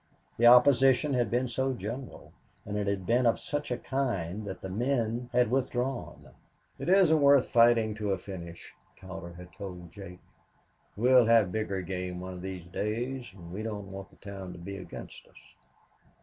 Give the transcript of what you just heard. The opposition had been so general and it had been of such a kind that the men had withdrawn. "It isn't worth fighting to a finish," Cowder had told Jake. "We'll have bigger game one of these days, and we don't want the town to be against us."